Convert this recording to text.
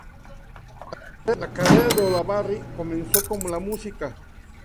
La carrera de Olavarría comenzó con la música.